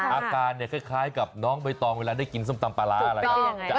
อาการเนี่ยคล้ายกับน้องใบตองเวลาได้กินส้มตำปลาร้าอะไรครับ